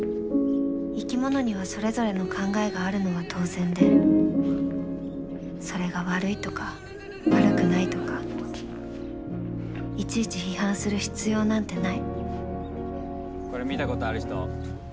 生き物にはそれぞれの考えがあるのは当然でそれが悪いとか悪くないとかいちいち批判する必要なんてないこれ見たことある人？